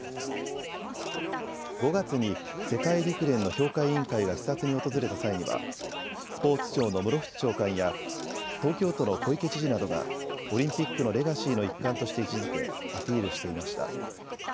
５月に世界陸連の評価委員会が視察に訪れた際にはスポーツ庁の室伏長官や東京都の小池知事などがオリンピックのレガシーの一環として位置づけアピールしていました。